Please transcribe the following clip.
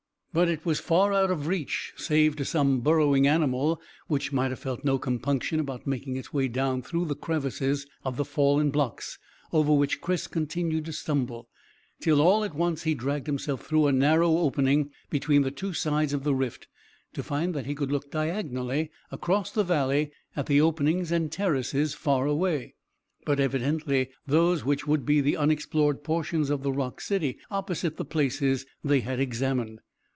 But it was far out of reach save to some burrowing animal which might have felt no compunction about making its way down through the crevices of the fallen blocks over which Chris continued to stumble, till all at once he dragged himself through a narrow opening between the two sides of the rift, to find that he could look diagonally across the valley at the openings and terraces far away, but evidently those which would be the unexplored portions of the rock city, opposite the places they had examined.